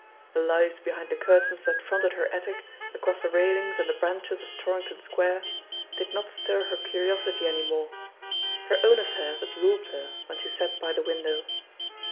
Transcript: The lives be hind the curtains that fronted her attic, across the railings and the branches of Torrington Square, did not stir her curiosity any more : her own affairs absorbed her when she sat by the window.